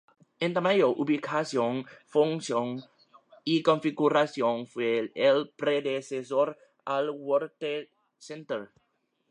En tamaño, ubicación, función y configuración fue el predecesor al World Trade Center.